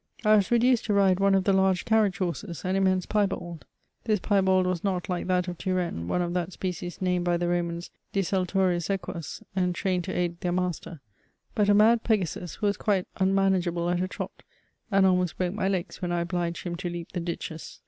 I was reduced to ride one of the large carriage horses, an immense piebald. This piebald was not, like that of Turenne, one of that species named by the Romans '* Desul torios equos," and trained to aid their master; but a mad Pegasus, who was quite unmanageable at a trot, and almost broke my legs when I obhged him to leap the ditches.